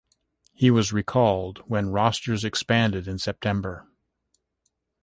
He was recalled when rosters expanded in September.